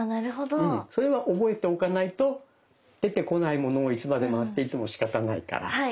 それは覚えておかないと出てこないものをいつまで待っていてもしかたないからね。